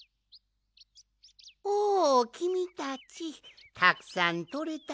おおきみたちたくさんとれたかね？